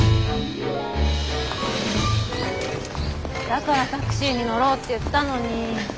だからタクシーに乗ろうって言ったのに。